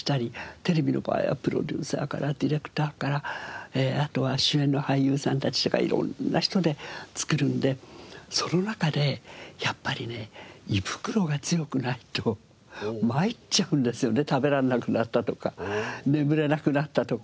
テレビの場合はプロデューサーからディレクターからあとは主演の俳優さんたちとかいろんな人で作るのでその中でやっぱりね食べられなくなったとか眠れなくなったとか。